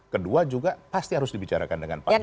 kedua juga pasti harus dibicarakan dengan pak jokowi